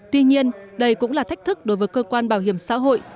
tuy nhiên đây cũng là thách thức đối với cơ quan bảo hiểm xã hội